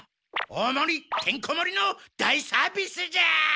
大もりてんこもりの大サービスじゃ！